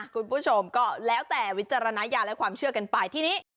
คุณผู้ชมก็แล้วแต่วิจารณญาณและความเชื่อกันไปทีนี้